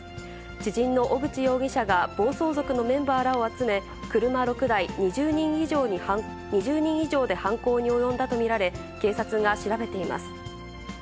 知人の小口容疑者が暴走族のメンバーらを集め、車６台、２０人以上で犯行に及んだと見られ、警察が調べています。